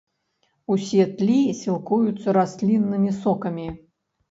Усе тлі сілкуюцца расліннымі сокамі.